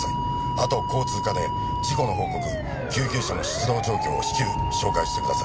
あと交通課で事故の報告救急車の出動状況を至急照会してください。